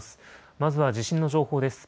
まずは地震の情報です。